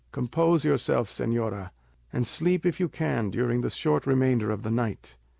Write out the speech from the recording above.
Compose yourself, señora, and sleep if you can during the short remainder of the night.